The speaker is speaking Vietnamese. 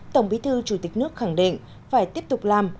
tổng bí thư chủ tịch nước khẳng định phải tiếp tục làm